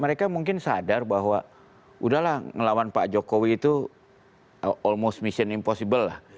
mereka mungkin sadar bahwa udahlah ngelawan pak jokowi itu all most mission impossible lah